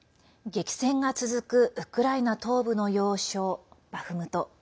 激戦が続くウクライナ東部の要衝バフムト。